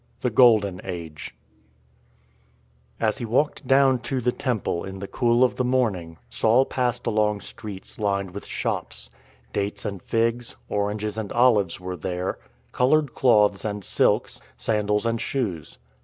IV THE GOLDEN AGE AS he walked down to the Temple in the cool of the morning, Saul passed along streets lined with shops. Dates and figs, oranges and olives were there; coloured cloths and silks, sandals and shoes.